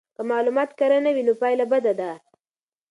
که معلومات کره نه وي نو پایله بده ده.